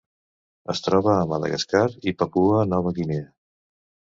Es troba a Madagascar i Papua Nova Guinea.